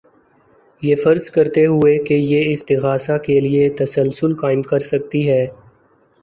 یہ فرض کرتے ہوئے کہ یہ استغاثہ کے لیے تسلسل قائم کر سکتی ہے